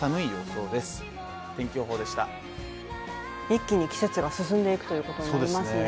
一気に季節が進んでいくということになりますね。